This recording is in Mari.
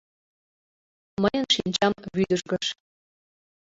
Мыйын шинчам вӱдыжгыш.